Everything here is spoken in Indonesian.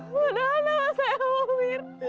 padahal enggak saya sama mirna